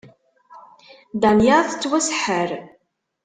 Dania tettwaseḥḥer.